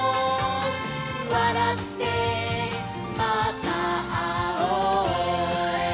「わらってまたあおう」